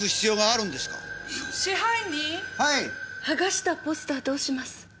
はがしたポスターどうします？